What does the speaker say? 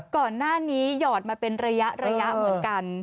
ก่อนหน้านี้หยอดมาเป็นระยะเหมือนกัน